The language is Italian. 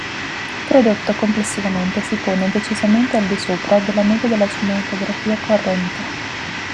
Il prodotto, complessivamente, si pone decisamente al di sopra della media della cinematografia corrente.